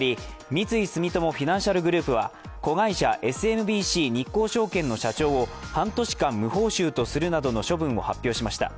三井住友フィナンシャルグループは子会社、ＳＭＢＣ日興証券の社長を半年間、無報酬とするなどの処分を発表しました。